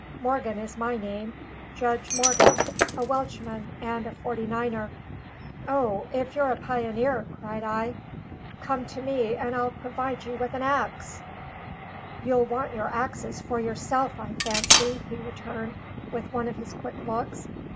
Morgan is my name Judge Morgan a Welshman and a forty niner." "O, if you're a pioneer," cried I, "come to me and I'll provide you with an axe." "You'll want your axes for yourself, I fancy," he returned, with one of his quick looks.